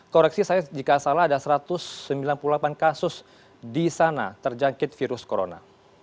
koreksi saya jika salah ada satu ratus sembilan puluh delapan kasus di sana terjangkit virus corona